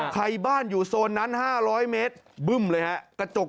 ใครบ้านอยู่โซนนั้น๕๐๐เมตรบึ้มเลยฮะกระจก